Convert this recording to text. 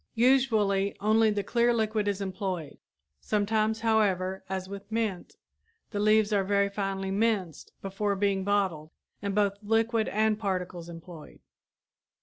Usually only the clear liquid is employed; sometimes, however, as with mint, the leaves are very finely minced before being bottled and both liquid and particles employed.